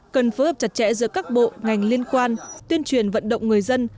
cần phối hợp chặt chẽ giữa các bộ ngành liên quan tuyên truyền vận động người dân